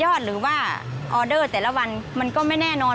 หรือว่าออเดอร์แต่ละวันมันก็ไม่แน่นอน